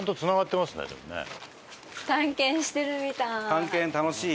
探検楽しい。